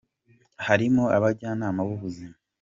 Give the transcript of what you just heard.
harimo abajyanama b’ubuzima